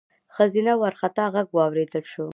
ښځينه وارخطا غږ واورېدل شو: